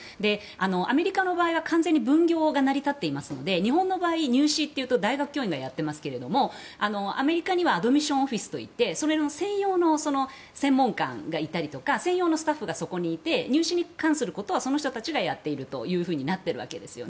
アメリカの場合は、完全に分業が成り立っていますので日本の場合、入試というと大学教員がやってますがアメリカにはアドミッションオフィスといってそれの専用の専門官がいたりとか専用のスタッフがそこにいて入試に関することはその人たちがやっているというふうになっています。